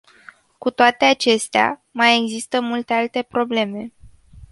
Cu toate acestea, mai există multe alte probleme.